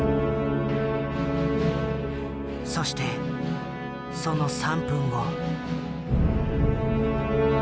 そしてその３分後。